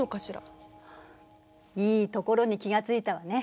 いいところに気が付いたわね。